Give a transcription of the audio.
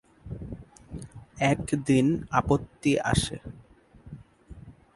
একদিন আপত্তি আসে।